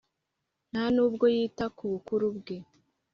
nta n’ubwo yita ku bukuru bwe,